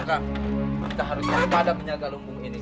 kita harus waspada menjaga lumbung ini